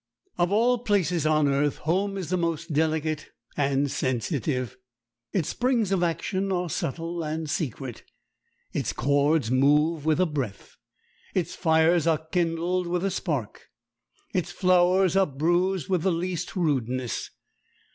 Of all places on earth, home is the most delicate and sensitive. Its springs of action are subtle and secret. Its chords move with a breath. Its fires are kindled with a spark. Its flowers are bruised with the least rudeness.